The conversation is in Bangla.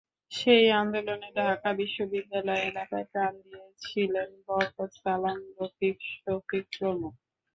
সেই আন্দোলনে ঢাকা বিশ্ববিদ্যালয় এলাকায় প্রাণ দিয়েছিলেন বরকত, সালাম, রফিক, শফিক প্রমুখ।